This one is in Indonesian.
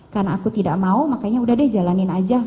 karena aku tidak mau makanya udah deh jalanin aja